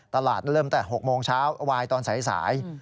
เริ่มแต่๖โมงเช้าวายตอนสาย